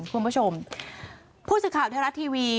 คุณผู้ชมผู้สิทธิ์ข่าวอุทยาลักษณ์ทีวี